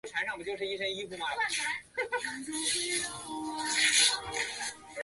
似锥低颈吸虫为棘口科低颈属的动物。